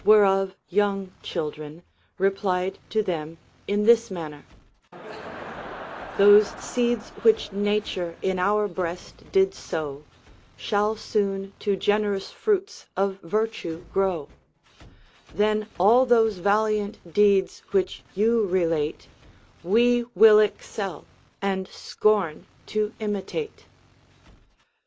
91 The third, Avhich λυθιό of young children, replied to them in this manner :— Those seeds which Nature in our breast did sow Shall soon to generous fruits of virtue grow ; Then all those valiant deeds which you relate We will excel, and scorn to imitate.